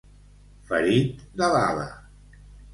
Ferit de l'ala.